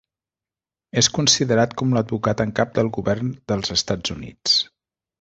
És considerat com l'advocat en cap del govern dels Estats Units.